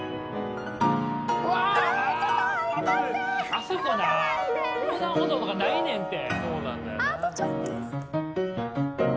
あそこな横断歩道とかないねんって。